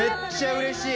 うれしい。